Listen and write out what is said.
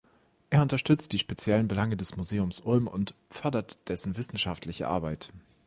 Er unterstützt die speziellen Belange des Museums Ulm und fördert dessen wissenschaftliche Arbeit.